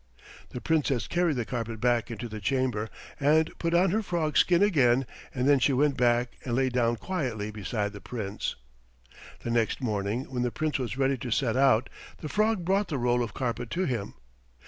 The Princess carried the carpet back into the chamber and put on her frog skin again, and then she went back and lay down quietly beside the Prince. The next morning when the Prince was ready to set out, the frog brought the roll of carpet to him.